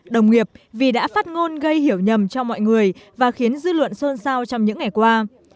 đồng nghiệp vì đã phát ngôn gây hiểu nhầm cho mọi người và khiến dư luận xôn xao trong những ngày qua